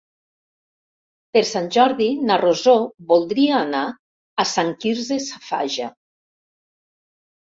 Per Sant Jordi na Rosó voldria anar a Sant Quirze Safaja.